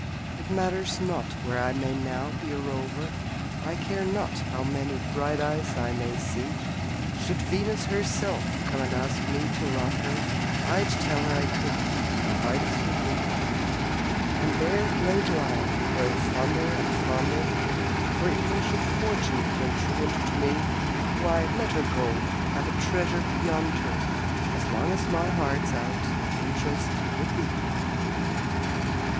It matters not where I may now be a rover, I care not how many bright eyes I may see; Should Venus herself come and ask me to love her, I'd tell her I couldn't my heart is with thee. And there let it lie, growing fonder and, fonder For, even should Fortune turn truant to me, Why, let her go I've a treasure beyond her, As long as my heart's out at interest With thee!